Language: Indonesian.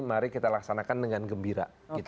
mari kita laksanakan dengan gembira